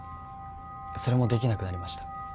それもできなくなりました。